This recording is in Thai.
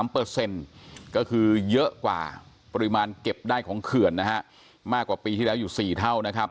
ก็คือเยอะกว่าปริมาณเก็บได้ของเขื่อนนะฮะมากกว่าปีที่แล้วอยู่๔เท่านะครับ